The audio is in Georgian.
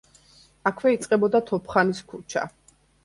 აქვე იწყებოდა თოფხანის ქუჩა.